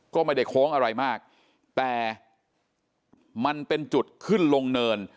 ก็ไม่ได้โค้งอะไรมากแต่มันเป็นจุดขึ้นลงเนิน